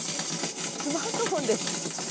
スマートフォンです。